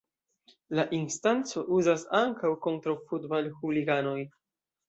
La instanco uzas ankaŭ kontraŭ futbal-huliganoj.